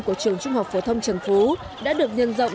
của trường trung học phổ thông trần phú đã được nhân rộng